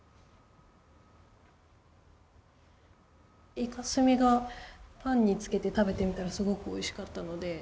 イカ墨がパンにつけて食べてみたらすごくおいしかったので。